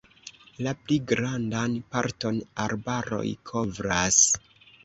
La pli grandan parton arbaroj kovras.